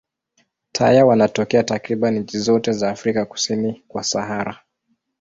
Taya wanatokea takriban nchi zote za Afrika kusini kwa Sahara.